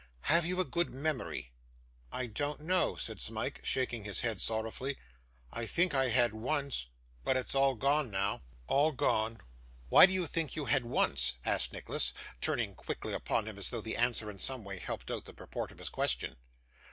'Have you a good memory?' 'I don't know,' said Smike, shaking his head sorrowfully. 'I think I had once; but it's all gone now all gone.' 'Why do you think you had once?' asked Nicholas, turning quickly upon him as though the answer in some way helped out the purport of his question.